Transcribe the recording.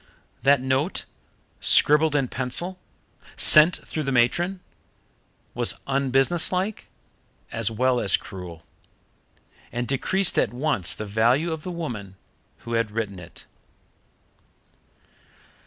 That note, scribbled in pencil, sent through the matron, was unbusinesslike as well as cruel, and decreased at once the value of the woman who had written it.